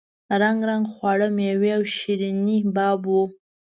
رنګ رنګ خواړه میوې او شیریني باب وو.